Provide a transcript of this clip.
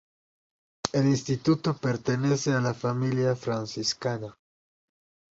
El instituto pertenece a la familia franciscana.